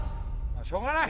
しょうがない！